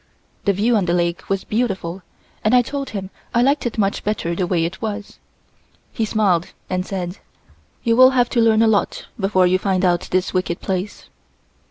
The view on the lake was beautiful and I told him I liked it much better the way it was. He smiled and said: "You will have to learn a lot before you find out this wicked place."